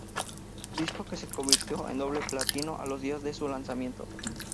Disco que se convirtió en doble platino a los días de su lanzamiento.